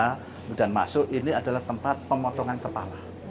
kemudian masuk ini adalah tempat pemotongan kepala